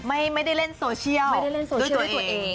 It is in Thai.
ไม่ได้เล่นโซเชียลด้วยตัวเอง